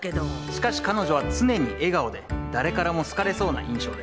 しかし彼女は常に笑顔で誰からも好かれそうな印象でした。